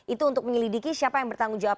itu untuk menyelidiki siapa yang bertanggung jawab